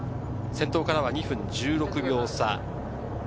先頭からは２分１６秒差。